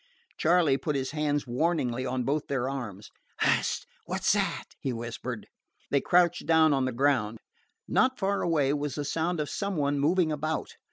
Charley put his hands warningly on both their arms. "Hist! What 's that?" he whispered. They crouched down on the ground. Not far away was the sound of some one moving about.